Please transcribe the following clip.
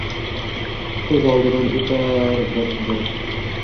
Ko’z oldidan o’tar bir-bir